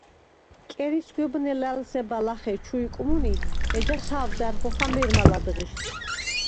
კერი სგვებნე ლა̈ლსება ლახე ჩუ იკმუნი, ეჯას ჰა̄ვდა̈რ ხოხა მე̄რმა ლა̈დღიშდ.